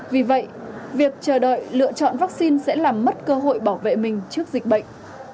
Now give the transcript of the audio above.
vì vậy việc chờ đợi lựa chọn vaccine sẽ làm mất cơ hội bảo vệ mình trước dịch bệnh